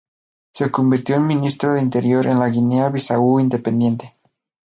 Se convirtió en Ministro del Interior en la Guinea-Bisáu independiente.